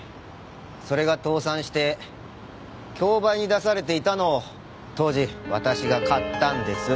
それが倒産して競売に出されていたのを当時私が買ったんです。